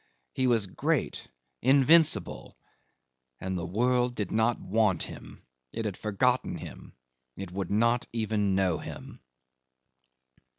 He was great invincible and the world did not want him, it had forgotten him, it would not even know him.